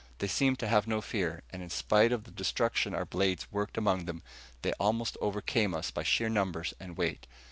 They seemed to have no fear, and in spite of the destruction our blades worked among them, they almost overcame us by sheer numbers and weight.